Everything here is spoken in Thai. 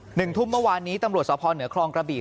หนึ่งทุ่มเมื่อวานนี้ตำรวจสพเหนือคลองกระบี่